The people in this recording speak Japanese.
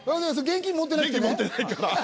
現金持ってない。